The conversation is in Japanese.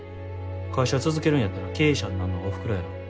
会社続けるんやったら経営者になんのはおふくろやろ。